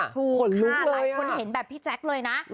ถูกค่ะทุกคนเห็นแบบพี่แจ๊กเลยนะ